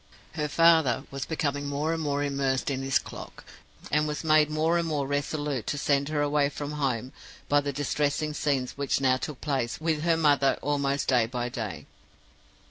Her father was becoming more and more immersed in his clock, and was made more and more resolute to send her away from home by the distressing scenes which now took place with her mother almost day by day.